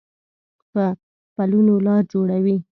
په پلونو لار جوړوي